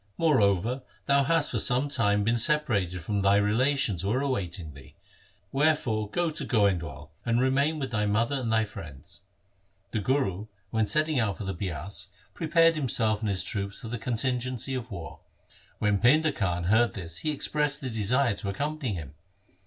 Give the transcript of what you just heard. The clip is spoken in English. Moreover, thou hast for some time been separated from thy relations who are awaiting thee. Wherefore go to Goindwal, and remain with thy mother and thy friends.' The Guru, when setting out for the Bias, THE SIKH RELIGION prepared himself and his troops for the contingency of war. When Painda Khan heard this he expressed a desire to accompany him.